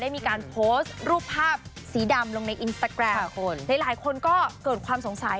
มีการโพสต์รูปภาพสีดำลงในอินสตาแกรมหลายหลายคนก็เกิดความสงสัย